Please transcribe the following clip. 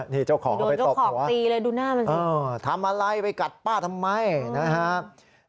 นี่เจ้าของไปตบหรือวะเออทำอะไรไปกัดป้าทำไมนะครับนี่เจ้าของไปตบหรือวะดูหน้ามันสิ